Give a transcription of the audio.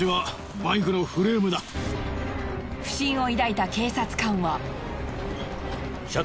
不審を抱いた警察官は。